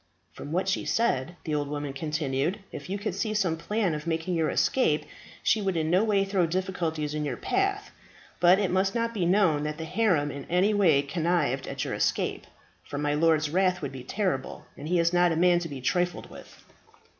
"From what she said," the old woman continued, "if you could see some plan of making your escape, she would in no way throw difficulties in your path; but it must not be known that the harem in any way connived at your escape, for my lord's wrath would be terrible, and he is not a man to be trifled with."